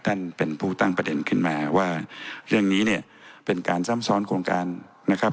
ท่านเป็นผู้ตั้งประเด็นขึ้นมาว่าเรื่องนี้เนี่ยเป็นการซ้ำซ้อนโครงการนะครับ